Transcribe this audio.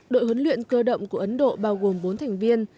đội huấn luyện cơ động của ấn độ bao gồm bốn thành viên